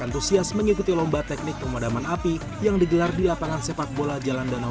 antusias mengikuti lomba teknik pemadaman api yang digelar di lapangan sepak bola jalan danau